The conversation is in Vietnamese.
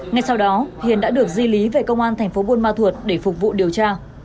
ngay sau đó hiền đã được di lý về công an thành phố buôn ma thuột để phục vụ điều tra